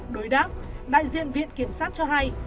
đối đáp đại diện viện kiểm sát cho hay